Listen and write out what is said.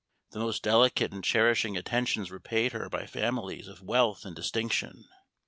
The most delicate and cherishing attentions were paid her by families of wealth and distinction.